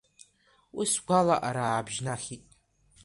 Уи сгәалаҟара аабжьнахит.